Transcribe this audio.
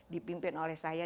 dipimpin oleh saya